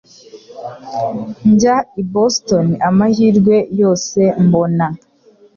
Njya i Boston amahirwe yose mbona